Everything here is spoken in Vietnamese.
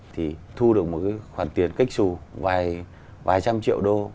thì thu được một cái khoản tiền kích xù vài trăm triệu đô